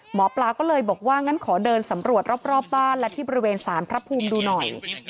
หมอปลาก็เลยบอกว่างั้นขอเดินสำรวจรอบบ้านและที่บริเวณสารพระภูมิดูหน่อย